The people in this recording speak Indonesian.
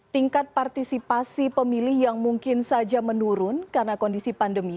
tingkat partisipasi pemilih yang mungkin saja menurun karena kondisi pandemi